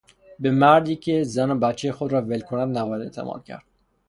به مردی که زن و بچهی خود را ول کند نباید اعتماد کرد.